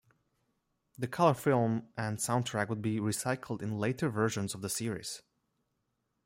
The colour film and soundtrack would be recycled in later versions of the series.